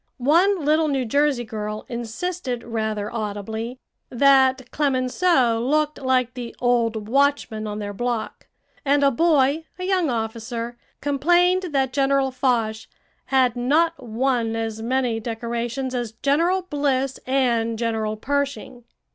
One little New Jersey girl insisted rather audibly that Clemenceau looked like the old watchman on their block; and a boy, a young officer, complained that General Foch "had not won as many decorations as General Bliss and General Pershing."